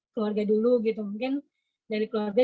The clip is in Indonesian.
kalau kita nggak bilang ke orang lain